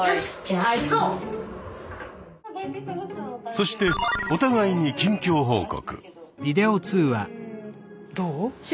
そしてお互いに近況報告。